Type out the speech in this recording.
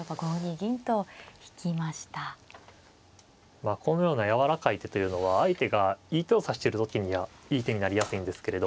まあこのようなやわらかい手というのは相手がいい手を指している時にはいい手になりやすいんですけれど。